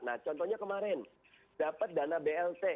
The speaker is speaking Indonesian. nah contohnya kemarin dapat dana blt